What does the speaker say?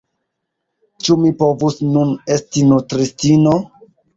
ĉu mi povus nun esti nutristino?